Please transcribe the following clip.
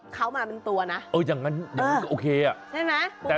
เขามาเป็นตัวนะเอออย่างนั้นอย่างนี้โอเคอ่ะใช่ไหม